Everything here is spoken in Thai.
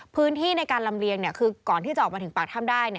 พื้นที่ในการลำเลียงคือก่อนที่จะออกมาถึงปากถ้ำได้